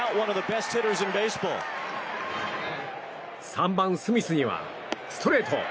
３番スミスには、ストレート！